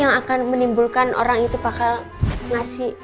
yang akan menimbulkan orang itu bakal ngasih